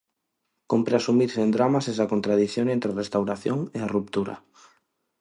Cómpre asumir sen dramas esa contradición entre a restauración e a ruptura.